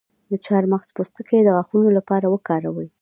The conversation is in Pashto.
د چارمغز پوستکی د غاښونو لپاره وکاروئ